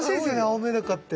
青メダカって！